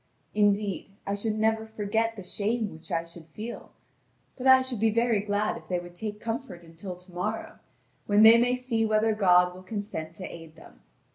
Indeed, I should never forget the shame which I should feel; but I should be very glad if they would take comfort until to morrow, when they may see whether God will consent to aid them.